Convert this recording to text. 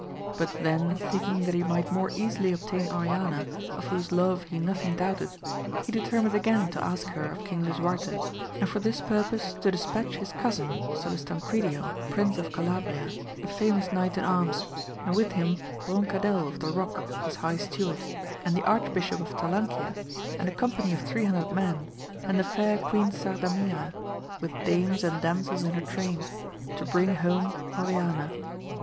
But then thinking that he might more easily obtain Oriana, of whose love he nothing doubted, he determined again to ask her of King Lisuarte, and for this purpose to dispatch his cousin Salustanquidio prince of Calabria, a famous knight in arms, and with him Broncadel of the rock his high steward, and the Archbishop of Talancia, and a company of three hundred men, and the fair Queen Sardamira, with dames and damsels in her train to bring home Oriana.